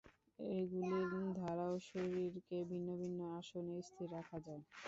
এগুলির দ্বারাও শরীরকে ভিন্ন ভিন্ন আসনে স্থির রাখা যায়।